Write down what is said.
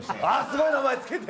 すごい名前つけて。